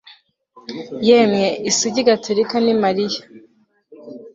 Yemwe isugi gatolika ni Mariya